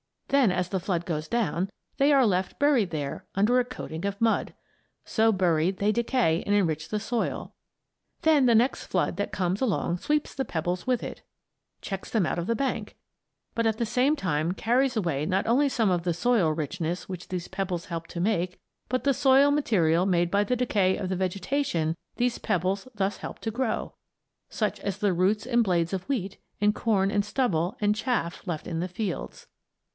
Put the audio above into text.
Then, as the flood goes down, they are left buried there under a coating of mud. So buried, they decay and enrich the soil. Then the next flood that comes along sweeps the pebbles with it checks them out of the bank but at the same time carries away not only some of the soil richness which these pebbles helped to make but the soil material made by the decay of the vegetation these pebbles thus helped to grow, such as the roots and blades of wheat and corn and stubble and chaff left in the fields.